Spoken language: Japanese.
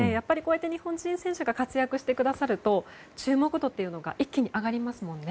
日本人選手が活躍してくださると注目度が一気に上がりますもんね。